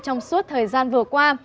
trong suốt thời gian vừa qua